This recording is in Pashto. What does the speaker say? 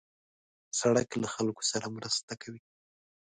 سړک له خلکو سره مرسته کوي.